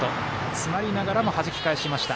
詰まりながらもはじき返しました。